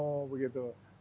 main maciok main domino begitu